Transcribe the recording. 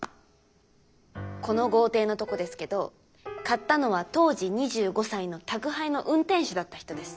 この豪邸のとこですけど買ったのは当時２５歳の宅配の運転手だった人です。